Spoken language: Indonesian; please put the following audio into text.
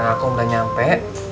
neng kang aku udah nyampe